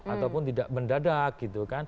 ataupun tidak mendadak